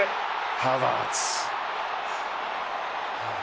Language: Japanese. ハバーツ。